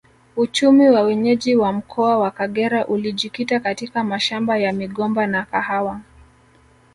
Uchumi wa wenyeji wa mkoa wa Kagera ulijikita katika mashamba ya migomba na kahawa